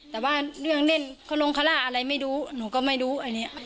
แต่ว่าเรื่องเล่นเขาลงคาร่าอะไรไม่รู้หนูก็ไม่รู้อันนี้